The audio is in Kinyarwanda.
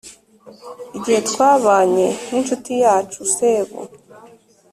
igihe twabanye n` inshuti yacu sebu